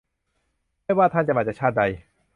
ไม่ว่าท่านจะมาจากชาติใด